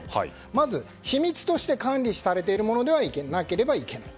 まず秘密として管理されているものでなければいけない。